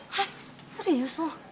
hah serius lo